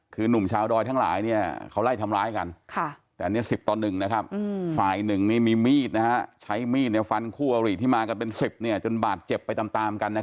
คุณผู้ชายผมรู้ไหมดูตัวนี้อันนี้คือนุ่มชาวโดยทั้งหลายเขาไล่ทำลายกัน